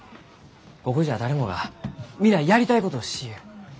ここじゃ誰もが皆やりたいことをしゆう。